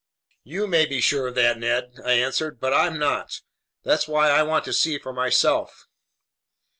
"You may be sure of that, Ned," I answered, "but I'm not. That's why I want to see for myself."